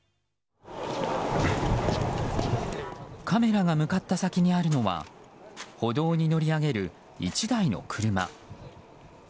カメラが向かった先にあるのは歩道に乗り上げる１台の車。